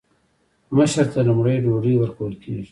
مشر ته لومړی ډوډۍ ورکول کیږي.